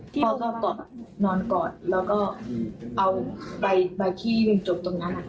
พ่อก็นอนกอดแล้วก็เอาใบไปที่เวียงจบตรงนั้น